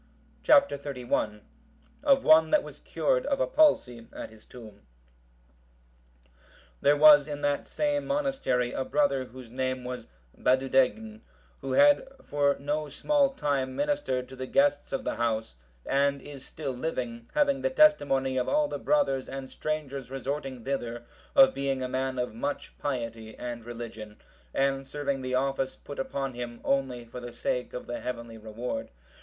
Chap. XXXI. Of one that was cured of a palsy at his tomb. There was in that same monastery a brother whose name was Badudegn, who had for no small time ministered to the guests of the house, and is still living, having the testimony of all the brothers and strangers resorting thither, of being a man of much piety and religion, and serving the office put upon him only for the sake of the heavenly reward.